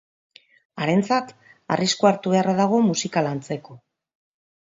Harentzat, arriskua hartu beharra dago musika lantzeko.